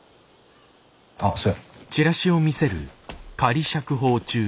あっそうや。